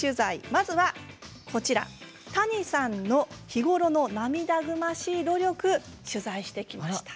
まずは谷さんの日頃の涙ぐましい努力を取材しました。